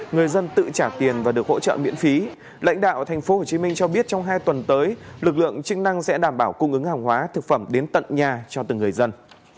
người dân yên tâm là sẽ có lực lượng chức năng sẽ đảm bảo cung ứng hàng hóa thực phẩm đến tận nhà cho từng người dân